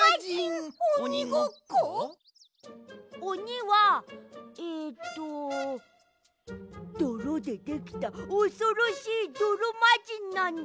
おにはえっとどろでできたおそろしいどろまじんなんだ。